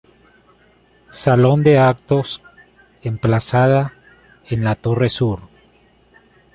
Salón de Actos, emplazada en la torre sur.